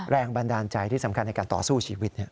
แรงบันดาลใจที่สำคัญในการต่อสู้ชีวิต